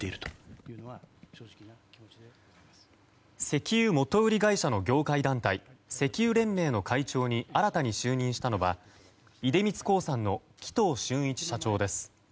石油元売り会社の業界団体石油連盟の会長に新たに就任したのは出光興産の木藤俊一社長です。